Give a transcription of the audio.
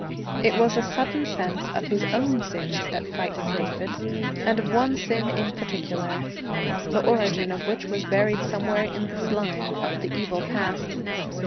It was a sudden sense of his own sins that frightened David, and of one sin in particular, the origin of which was buried somewhere in the slime of the evil past.